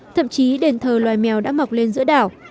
thậm chí đền thờ loài mèo đã mọc lên giữa đảo